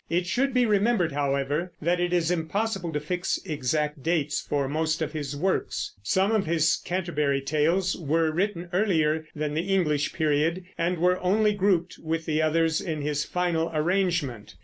It should be remembered, however, that it is impossible to fix exact dates for most of his works. Some of his Canterbury Tales were written earlier than the English period, and were only grouped with the others in his final arrangement.